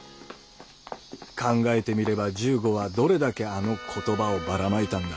考えてみれば十五はどれだけあの言葉をバラまいたんだ。